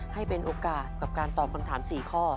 ให้เป็นโอกาสกับการตอบคำถาม๔ข้อ